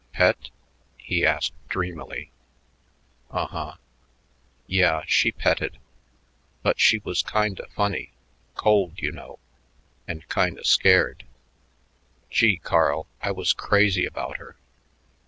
"Pet?" he asked dreamily. "Uh huh. Yeah, she petted but she was kinda funny cold, you know, and kinda scared. Gee, Carl, I was crazy about her.